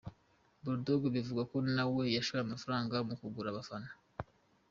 Bull Dogg bivugwa ko nawe yashoye amafaranga mu kugura abafana.